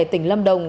tỉnh lâm đồng